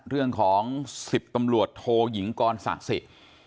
เรื่องของ๑๐ตำรวจโทหยิงกรศักดิ์สิก